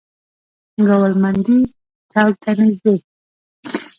ګوالمنډۍ چوک ته نزدې.